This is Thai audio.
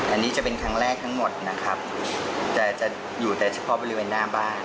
อันนี้จะเป็นครั้งแรกทั้งหมดนะครับแต่จะอยู่แต่เฉพาะบริเวณหน้าบ้าน